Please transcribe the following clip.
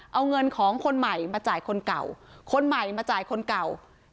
เอาเงินของคนใหม่มาจ่ายคนเก่าคนใหม่มาจ่ายคนเก่า